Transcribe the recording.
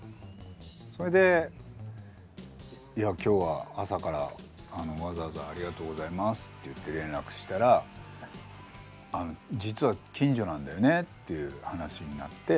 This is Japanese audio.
それで「いや今日は朝からわざわざありがとうございます」と言って連絡したら実は近所なんだよねという話になって。